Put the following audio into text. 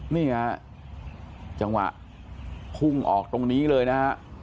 นี่ฮะจังหวะพุ่งออกตรงนี้เลยนะฮะ